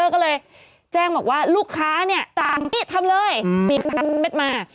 ก็เลยแจ้งบอกว่าลูกค้าตามนี่ทำเลยมีพันเม็ดมา